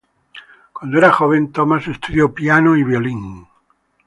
Cuando era joven, Thomas estudió piano y violín.